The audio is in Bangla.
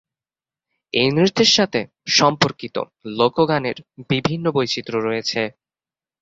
এই নৃত্যের সাথে সম্পর্কিত লোক গানের বিভিন্ন বৈচিত্র্য রয়েছে।